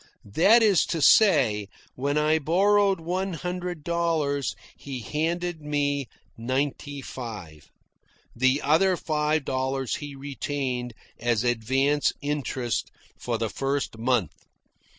That is to say, when I borrowed one hundred dollars, he handed me ninety five. The other five dollars he retained as advance interest for the first month.